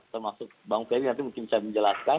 termasuk bang ferry nanti mungkin bisa menjelaskan